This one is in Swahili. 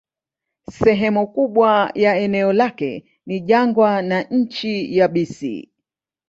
Sehemu kubwa ya eneo lake ni jangwa na nchi yabisi.